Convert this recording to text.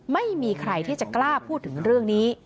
ไม่มีใครที่จะกล้าพูดถึงเรื่องนี้